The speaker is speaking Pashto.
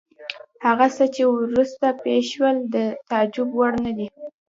هغه څه چې وروسته پېښ شول د تعجب وړ نه دي.